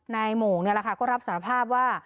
โมงนี่แหละค่ะก็รับสารภาพว่า